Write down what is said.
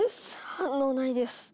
反応ないです。